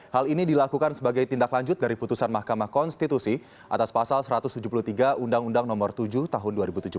hal ini dilakukan sebagai tindak lanjut dari putusan mahkamah konstitusi atas pasal satu ratus tujuh puluh tiga undang undang nomor tujuh tahun dua ribu tujuh belas